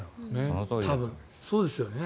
多分、そうですよね。